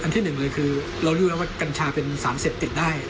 ที่หนึ่งเลยคือเรารู้แล้วว่ากัญชาเป็นสารเสพติดได้